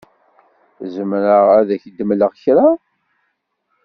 Zemreɣ ad ak-d-mleɣ kra?